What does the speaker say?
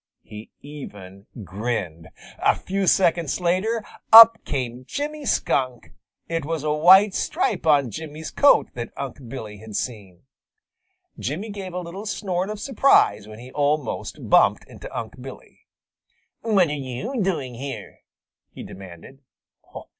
He even grinned. A few seconds later up came Jimmy Skunk. It was a white stripe on Jimmy's coat that Unc' Billy had seen. Jimmy gave a little snort of surprise when he almost bumped into Unc' Billy. "What are you doing here?" he demanded.